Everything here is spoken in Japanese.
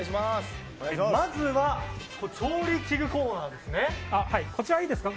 まずは、調理器具コーナーですね。